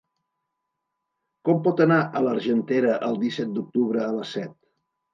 Com puc anar a l'Argentera el disset d'octubre a les set?